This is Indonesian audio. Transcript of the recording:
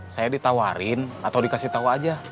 saya ditawarin atau dikasih tahu aja